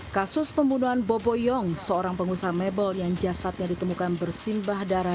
kasus pembunuhan bobo yong seorang pengusaha mebel yang jasadnya ditemukan bersimbah darah